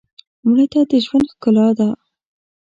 مړه ته د ژوند ښکلا ده